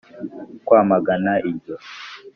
kwamagana iryo